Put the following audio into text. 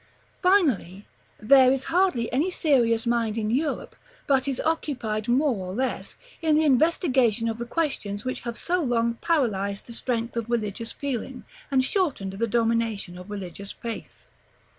Finally, there is hardly any serious mind in Europe but is occupied, more or less, in the investigation of the questions which have so long paralyzed the strength of religious feeling, and shortened the dominion of religious faith.